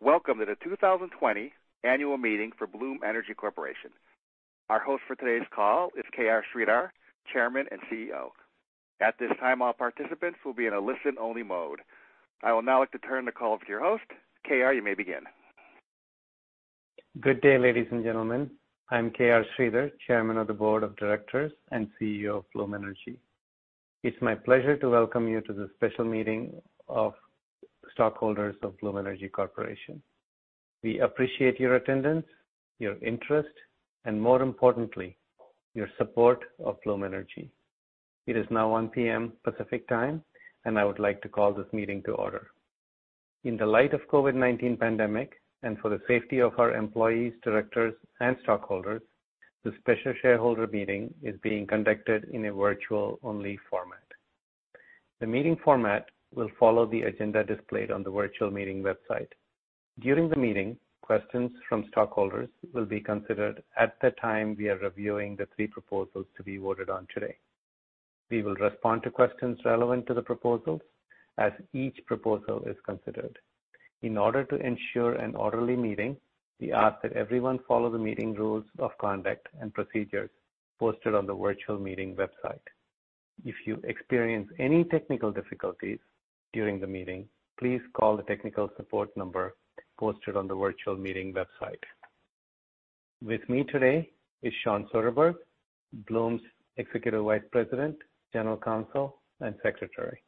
Welcome to the 2020 Annual Meeting for Bloom Energy Corporation. Our host for today's call is KR Sridhar, Chairman and CEO. At this time, all participants will be in a listen-only mode. I will now like to turn the call to your host, K.R. You may begin. Good day, ladies and gentlemen. I'm KR Sridhar, Chairman of the Board of Directors and CEO of Bloom Energy. It's my pleasure to welcome you to the special meeting of stockholders of Bloom Energy Corporation. We appreciate your attendance, your interest, and more importantly, your support of Bloom Energy. It is now 1:00 P.M. Pacific time, and I would like to call this meeting to order. In the light of the COVID-19 pandemic and for the safety of our employees, directors, and stockholders, this special shareholder meeting is being conducted in a virtual-only format. The meeting format will follow the agenda displayed on the virtual meeting website. During the meeting, questions from stockholders will be considered at the time we are reviewing the three proposals to be voted on today. We will respond to questions relevant to the proposals as each proposal is considered. In order to ensure an orderly meeting, we ask that everyone follow the meeting rules of conduct and procedures posted on the virtual meeting website. If you experience any technical difficulties during the meeting, please call the technical support number posted on the virtual meeting website. With me today is Shawn Soderberg, Bloom's Executive Vice President, General Counsel, and Secretary.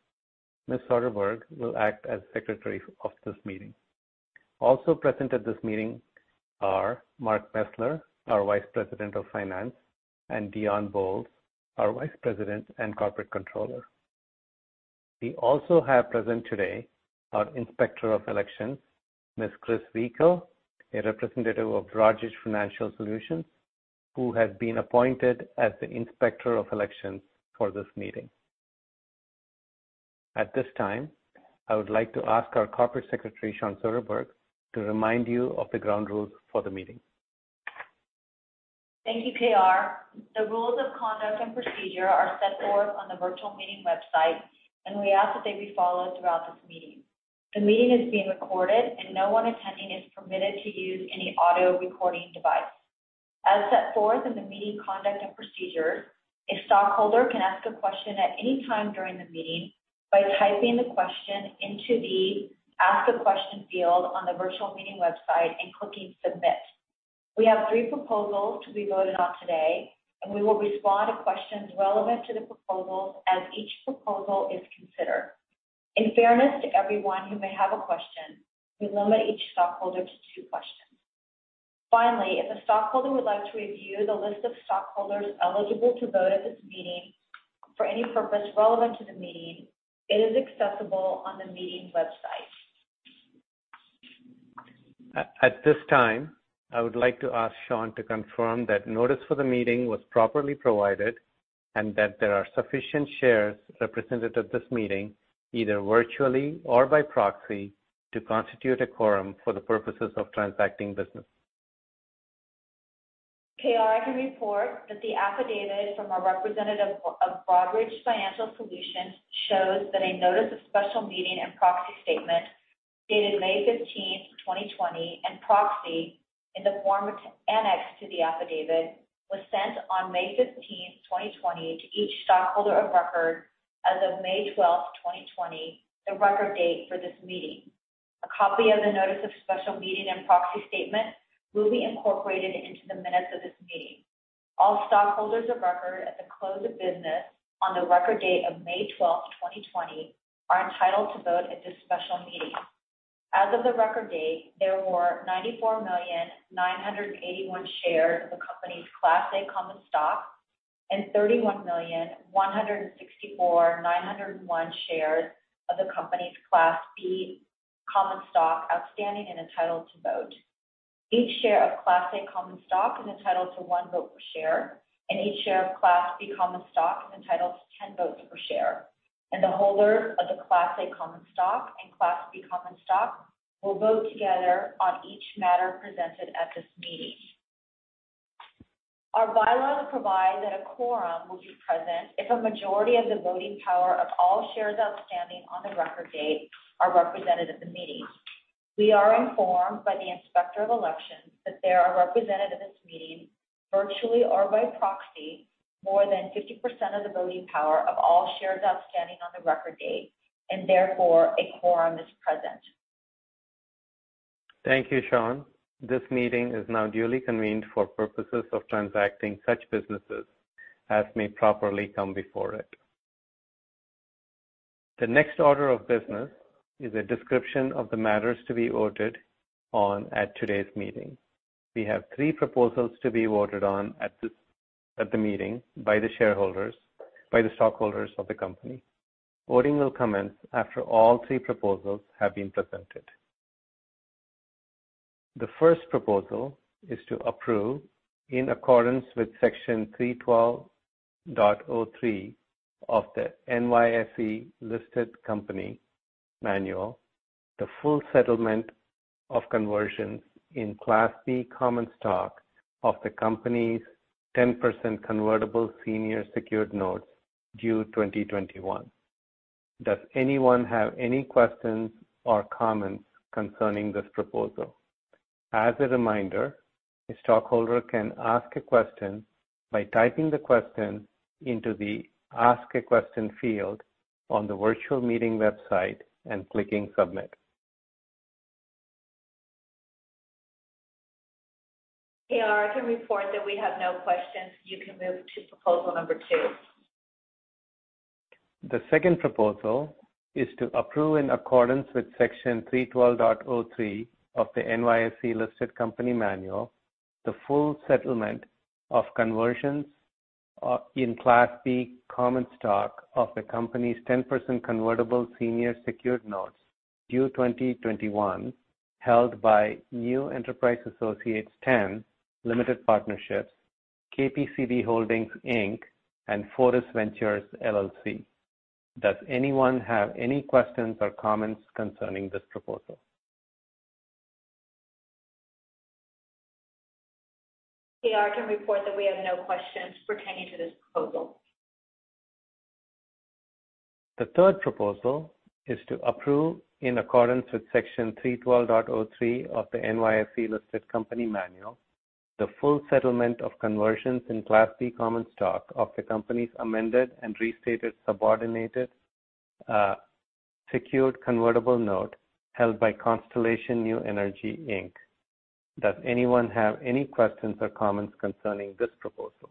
Ms. Soderberg will act as Secretary of this meeting. Also present at this meeting are Mark Mesler, our Vice President of Finance, and Dionne Bowles, our Vice President and Corporate Controller. We also have present today our Inspector of Elections, Ms. Cris Vico, a representative of Broadridge Financial Solutions, who has been appointed as the Inspector of Elections for this meeting. At this time, I would like to ask our Corporate Secretary, Shawn Soderberg, to remind you of the ground rules for the meeting. Thank you, KR The rules of conduct and procedure are set forth on the virtual meeting website, and we ask that they be followed throughout this meeting. The meeting is being recorded, and no one attending is permitted to use any audio recording device. As set forth in the meeting conduct and procedures, a stockholder can ask a question at any time during the meeting by typing the question into the Ask a Question field on the virtual meeting website and clicking Submit. We have three proposals to be voted on today, and we will respond to questions relevant to the proposals as each proposal is considered. In fairness to everyone who may have a question, we limit each stockholder to two questions. Finally, if a stockholder would like to review the list of stockholders eligible to vote at this meeting for any purpose relevant to the meeting, it is accessible on the meeting website. At this time, I would like to ask Shawn Soderberg to confirm that notice for the meeting was properly provided and that there are sufficient shares represented at this meeting either virtually or by proxy to constitute a quorum for the purposes of transacting business. KR, I can report that the affidavit from our representative of Broadridge Financial Solutions shows that a notice of special meeting and proxy statement dated May 15, 2020, and proxy in the form of annex to the affidavit was sent on May 15, 2020, to each stockholder of record as of May 12, 2020, the record date for this meeting. A copy of the notice of special meeting and proxy statement will be incorporated into the minutes of this meeting. All stockholders of record at the close of business on the record date of May 12, 2020, are entitled to vote at this special meeting. As of the record date, there were 94,981 shares of the company's Class A common stock and 31,164,901 shares of the company's Class B common stock outstanding and entitled to vote. Each share of Class A common stock is entitled to one vote per share, and each share of Class B common stock is entitled to ten votes per share. The holders of the Class A common stock and Class B common stock will vote together on each matter presented at this meeting. Our bylaws provide that a quorum will be present if a majority of the voting power of all shares outstanding on the record date are represented at the meeting. We are informed by the Inspector of Elections that there are represented at this meeting virtually or by proxy more than 50% of the voting power of all shares outstanding on the record date, and therefore a quorum is present. Thank you, Shawn. This meeting is now duly convened for purposes of transacting such businesses as may properly come before it. The next order of business is a description of the matters to be voted on at today's meeting. We have three proposals to be voted on at the meeting by the shareholders, by the stockholders of the company. Voting will commence after all three proposals have been presented. The first proposal is to approve, in accordance with Section 312.03 of the NYSE Listed Company Manual, the full settlement of conversions in Class B common stock of the company's 10% convertible senior secured notes due 2021. Does anyone have any questions or comments concerning this proposal? As a reminder, a stockholder can ask a question by typing the question into the Ask a Question field on the virtual meeting website and clicking Submit. KR, I can report that we have no questions. You can move to proposal number two. The second proposal is to approve, in accordance with Section 312.03 of the NYSE Listed Company Manual, the full settlement of conversions in Class B common stock of the company's 10% convertible senior secured notes due 2021, held by New Enterprise Associates 10, L.P., KPCB Holdings, Inc., and Foris Ventures, LLC. Does anyone have any questions or comments concerning this proposal? KR, I can report that we have no questions pertaining to this proposal. The third proposal is to approve, in accordance with Section 312.03 of the NYSE Listed Company Manual, the full settlement of conversions in Class B common stock of the Company's Amended and Restated Subordinated Secured Convertible Note held by Constellation NewEnergy, Inc. Does anyone have any questions or comments concerning this proposal?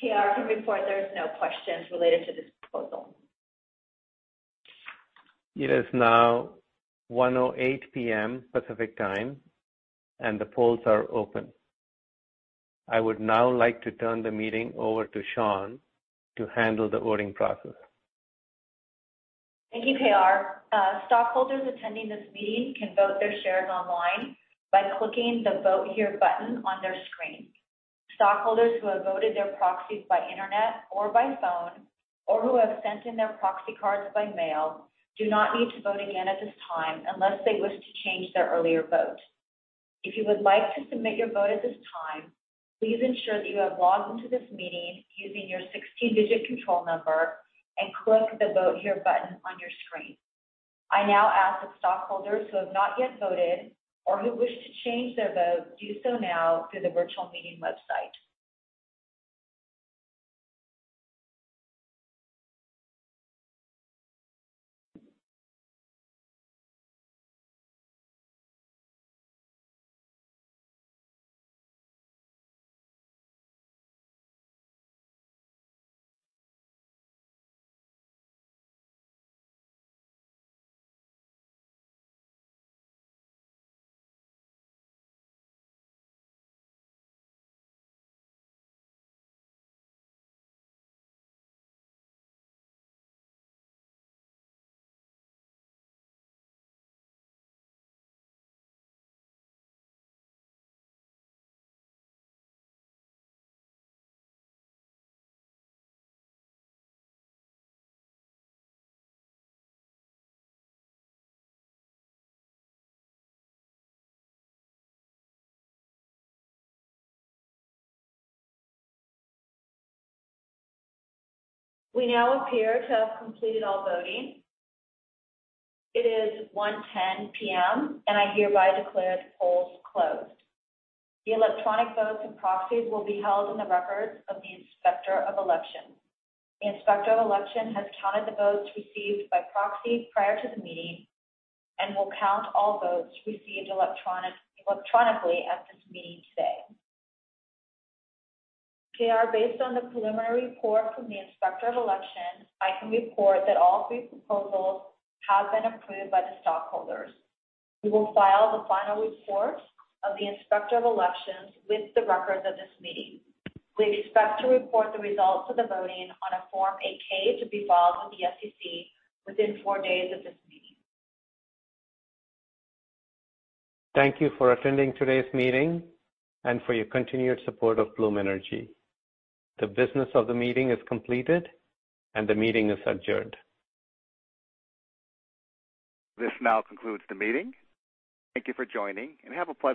KR, I can report there are no questions related to this proposal. It is now 1:08 P.M. Pacific time, and the polls are open. I would now like to turn the meeting over to Shawn to handle the voting process. Thank you, KR Stockholders attending this meeting can vote their shares online by clicking the Vote Here button on their screen. Stockholders who have voted their proxies by internet or by phone or who have sent in their proxy cards by mail do not need to vote again at this time unless they wish to change their earlier vote. If you would like to submit your vote at this time, please ensure that you have logged into this meeting using your 16-digit control number and click the Vote Here button on your screen. I now ask that stockholders who have not yet voted or who wish to change their vote do so now through the virtual meeting website. We now appear to have completed all voting. It is 1:10 P.M., and I hereby declare the polls closed. The electronic votes and proxies will be held in the records of the Inspector of Elections. The Inspector of Elections has counted the votes received by proxy prior to the meeting and will count all votes received electronically at this meeting today. K.R., based on the preliminary report from the Inspector of Elections, I can report that all three proposals have been approved by the stockholders. We will file the final report of the Inspector of Elections with the records of this meeting. We expect to report the results of the voting on a Form 8-K to be filed with the SEC within four days of this meeting. Thank you for attending today's meeting and for your continued support of Bloom Energy. The business of the meeting is completed, and the meeting is adjourned. This now concludes the meeting. Thank you for joining, and have a pleasant.